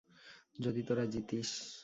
যদি তোরা জিতিস।